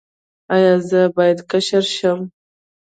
ایا زه باید کشر شم؟